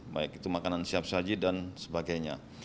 baik itu makanan siap saji dan sebagainya